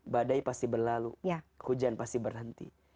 badai pasti berlalu hujan pasti berhenti